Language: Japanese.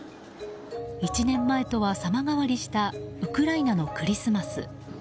１年前とは様変わりしたウクライナのクリスマス。